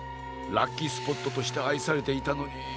ラッキースポットとしてあいされていたのに。